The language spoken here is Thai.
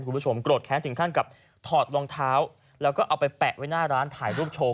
คุณผู้ชมโกรธแค้นถึงขั้นกับถอดรองเท้าแล้วก็เอาไปแปะไว้หน้าร้านถ่ายรูปโชว์